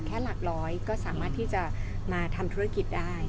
แค่หลักร้อยก็จะค้นมาทำธุรกิจได้